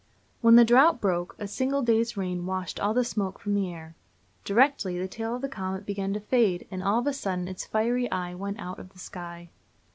When the drought broke, a single day's rain washed all the smoke from the air. Directly, the tail of the comet began to fade, and all of a sudden its fiery eye went out of the sky.